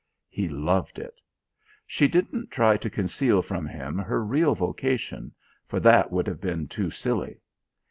He loved it. She didn't try to conceal from him her real vocation, for that would have been too silly.